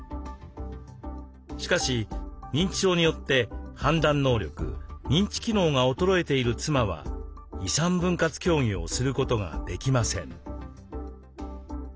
しかし認知症によって判断能力認知機能が衰えている妻は遺産分割協議をすることができません。